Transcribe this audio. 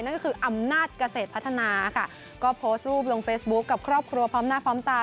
นั่นก็คืออำนาจเกษตรพัฒนาค่ะก็โพสต์รูปลงเฟซบุ๊คกับครอบครัวพร้อมหน้าพร้อมตา